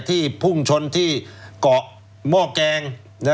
ที่ภูกคุณชนที่เกาะมอกแกง